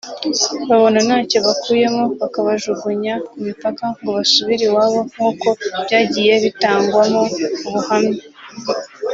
babona ntacyo bakuyemo bakabajugunya ku mipaka ngo basubire iwabo nkuko byagiye bitangwamo ubuhamya